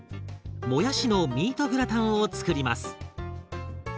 もやしのミートグラタンを作ります。